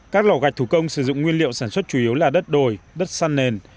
các lò gạch thủ công sử dụng nguyên liệu sản xuất chủ yếu là đất đồi đất săn nền